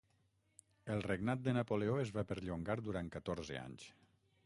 El regnat de Napoleó es va perllongar durant catorze anys.